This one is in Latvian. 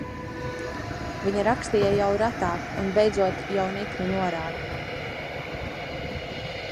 Viņa rakstīja jau retāk un beidzot jau nikni norāja mani.